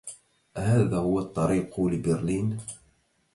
أهذا هو الطريق لبرلين؟